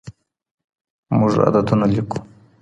موږ عددونه ليکو.